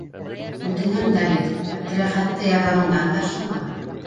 Үтенәм, Давид, Әптеләхәтте ярҙамыңдан ташлама!